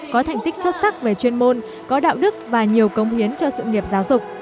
có thành tích xuất sắc về chuyên môn có đạo đức và nhiều công hiến cho sự nghiệp giáo dục